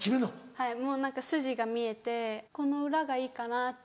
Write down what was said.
はいもう何か筋が見えてこの裏がいいかなって。